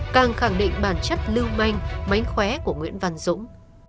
càng khẳng định bản chất lưu manh mánh khóe của nguyễn văn dũng